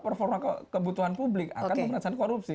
performa kebutuhan publik akan pemerintahan korupsi